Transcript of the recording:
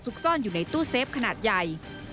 ซ่อนอยู่ในตู้เซฟขนาดใหญ่